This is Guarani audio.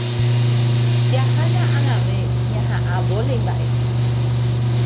Jahána ag̃ave ñaha'ã vólei mba'e.